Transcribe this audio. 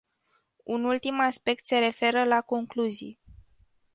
Un ultim aspect se referă la concluzii.